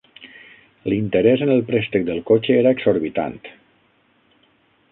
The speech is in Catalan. L'interès en el préstec del cotxe era exorbitant.